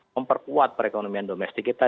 memperkuat perekonomian domestik kita